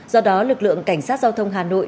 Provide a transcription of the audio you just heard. do đó lực lượng cảnh sát giao thông hà nội